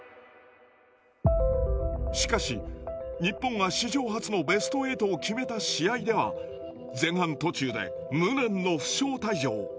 しかし日本が史上初のベスト８を決めた試合では前半途中で無念の負傷退場。